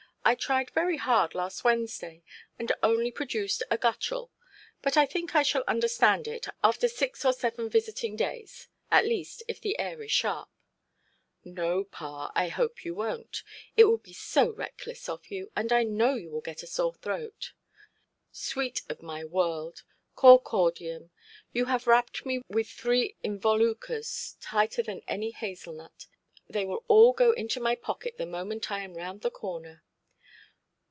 I tried very hard last Wednesday, and only produced a guttural. But I think I shall understand it, after six or seven visiting days. At least, if the air is sharp". "No, pa, I hope you wonʼt. It would be so reckless of you; and I know you will get a sore throat". "Sweet of my world, cor cordium, you have wrapped me with three involucres tighter than any hazel–nut. They will all go into my pocket the moment I am round the corner".